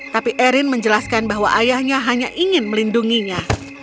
tapi erin menjelaskan bahwa ayahnya hanya ingin melindunginya